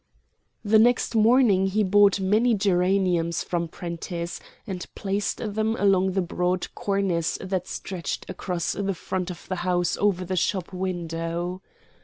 The next morning he bought many geraniums from Prentiss and placed them along the broad cornice that stretched across the front of the house over the shop window.